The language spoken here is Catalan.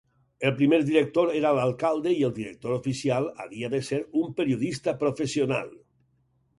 El primer director era l’alcalde i el director oficial havia de ser una periodista professional.